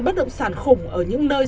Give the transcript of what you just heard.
bất động sản khủng ở những nơi